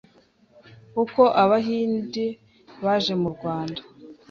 Uko Abahinde baje mu Rwanda